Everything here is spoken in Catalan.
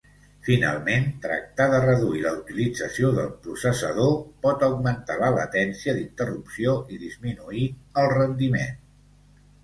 Finalment, tractar de reduir la utilització del processador pot augmentar la latència d'interrupció i disminuir el rendiment.